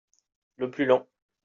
Le plus lent.